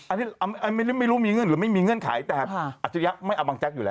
อันนี้ไม่รู้มีเงื่อนหรือไม่มีเงื่อนไขแต่อัจฉริยะไม่เอาบางแจ๊กอยู่แล้ว